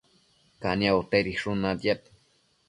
caniabo tedishun natiad